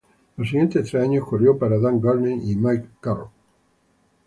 Los siguientes tres años corrió para Dan Gurney y Mike Curb.